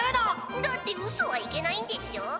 「だってうそはいけないんでしょ？」。